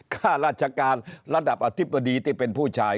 ข้าราชการระดับอธิบดีที่เป็นผู้ชาย